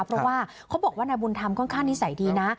เพราะว่าเขาบอกว่านายบุญธรรมค่อนข้างนิสัยดีนะ